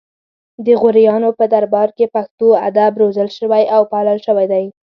د غوریانو په دربار کې پښتو ادب روزل شوی او پالل شوی دی